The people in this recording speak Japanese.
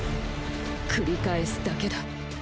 繰り返すだけだ。